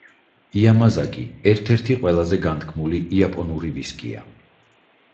იამაზაკი ერთ-ერთი ყველაზე განთქმული იაპონური ვისკია.